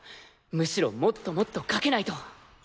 むしろもっともっとかけないと。